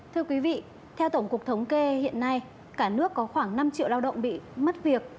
thưa quý vị theo tổng cục thống kê hiện nay cả nước có khoảng năm triệu lao động bị mất việc